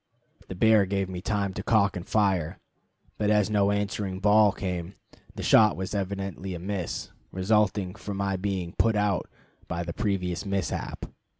The bear gave me time to cock and fire, but as no answering "bawl" came, the shot was evidently a miss, resulting from my being "put out" by the previous mishap.